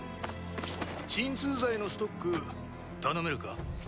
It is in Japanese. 鎮痛剤のストック頼めるか？